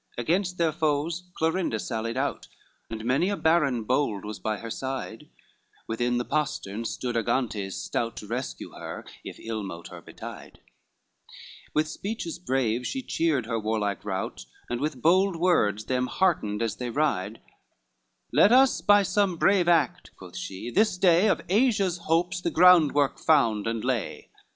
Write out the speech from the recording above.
XIII Against their foes Clorinda sallied out, And many a baron bold was by her side, Within the postern stood Argantes stout To rescue her, if ill mote her betide: With speeches brave she cheered her warlike rout, And with bold words them heartened as they ride, "Let us by some brave act," quoth she, "this day Of Asia's hopes the groundwork found and lay."